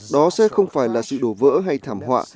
đó sẽ không phải là sự đổ vỡ hay thảm họa